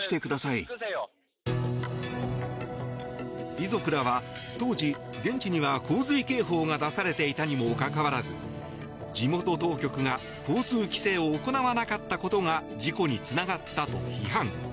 遺族らは当時、現地には洪水警報が出されていたにもかかわらず地元当局が交通規制を行わなかったことが事故につながったと批判。